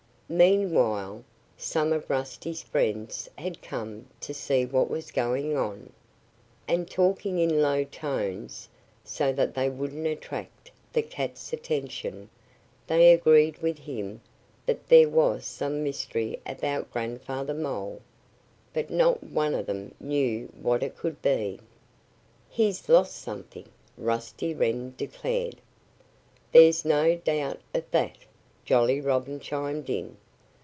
Meanwhile some of Rusty Wren's friends had come up to see what was going on. And talking in low tones, so that they wouldn't attract the cat's attention, they agreed with him that there was some mystery about Grandfather Mole. But not one of them knew what it could be. "He's lost something!" Rusty Wren declared. "There's no doubt of that," Jolly Robin chimed in.